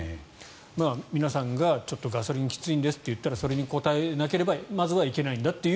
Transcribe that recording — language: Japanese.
皆さんがちょっとガソリンきついんですと言ったらそれに応えなければまずはいけないんだと。